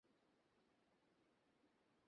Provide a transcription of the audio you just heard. আমার সঙ্গে আমার কষ্টের ক্রমশই যেন বিচ্ছেদ হয়ে আসছে।